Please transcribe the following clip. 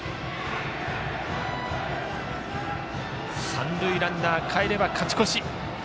三塁ランナー、かえれば勝ち越し。